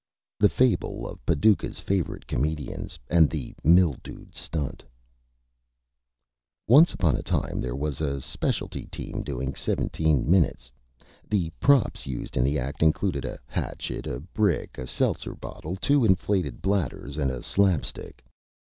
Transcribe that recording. _ THE FABLE OF PADUCAH'S FAVORITE COMEDIANS AND THE MILDEWED STUNT Once Upon a Time there was a Specialty Team doing Seventeen Minutes. The Props used in the Act included a Hatchet, a Brick, a Seltzer Bottle, two inflated Bladders and a Slap Stick.